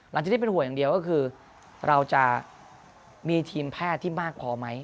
ที่เป็นห่วงอย่างเดียวก็คือเราจะมีทีมแพทย์ที่มากพอไหม